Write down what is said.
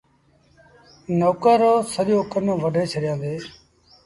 نوڪر رو سڄو ڪن وڍي ڇڏيآندي۔